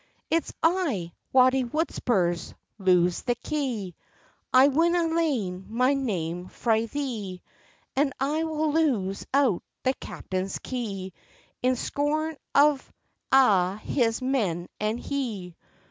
"It's I, Watty Wudspurs, loose the kye, I winna layne my name frae thee! And I will loose out the captain's kye, In scorn of a' his men and he."